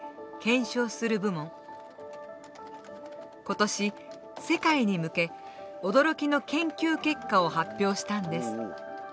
今年世界に向け驚きの研究結果を発表したんです。